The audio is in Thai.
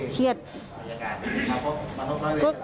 เชียด